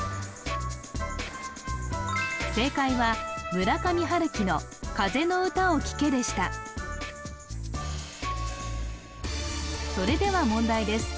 正解は村上春樹の「風の歌を聴け」でしたそれでは問題です